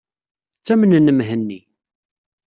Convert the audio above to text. Ttamnen Mhenni.